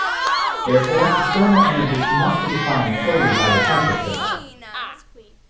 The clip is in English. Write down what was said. Therefore, the thermal energy cannot be defined solely by the temperature.